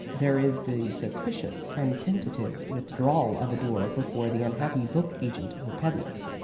There is the suspicious and tentative withdrawal of a door before the unhappy book agent or peddler.